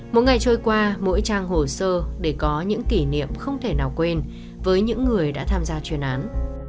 mỗi ngày trôi qua mỗi trang hồ sơ để có những kỷ niệm không thể nào quên với những người đã tham gia chuyên án